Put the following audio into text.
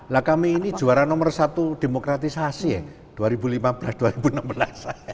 lah kami ini juara nomor satu demokratisasi ya